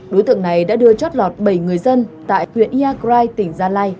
đối tượng này đã đưa chót lọt bảy người dân tại huyện iagrai tỉnh gia lai